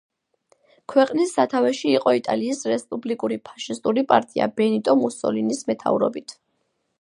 ქვეყნის სათავეში იყო იტალიის რესპუბლიკური ფაშისტური პარტია ბენიტო მუსოლინის მეთაურობით.